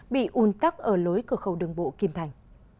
bị un tắc ở lối cửa khẩu đường bộ kim thành